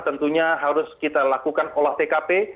tentunya harus kita lakukan olah tkp